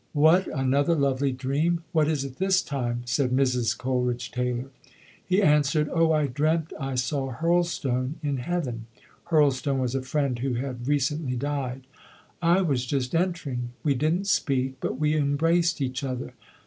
"What, another lovely dream? What is it this time?" said Mrs. Coleridge Taylor. He answered, "Oh 5 I dreamt I saw Hurlstone in Heaven. [Hurlstone was a friend who had re cently died.] I was just entering. We didn't speak but we embraced each other.